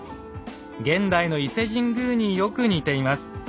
現代の伊勢神宮によく似ています。